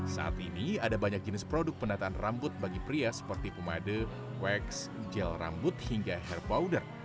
saat ini ada banyak jenis produk penataan rambut bagi pria seperti pemade wax gel rambut hingga hair bowder